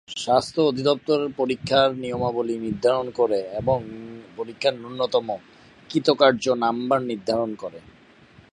স্বাস্থ্য অধিদপ্তর পরীক্ষার নিয়মাবলী নির্ধারণ করে এবং পরীক্ষার ন্যূনতম কৃতকার্য নাম্বার নির্ধারণ করে।